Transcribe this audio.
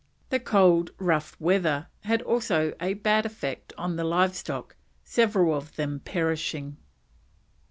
The cold, rough weather also had a bad effect on the live stock, several of them perishing.